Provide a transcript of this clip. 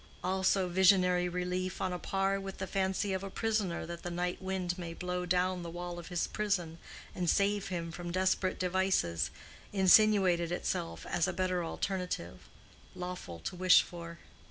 Also, visionary relief on a par with the fancy of a prisoner that the night wind may blow down the wall of his prison and save him from desperate devices, insinuated itself as a better alternative, lawful to wish for.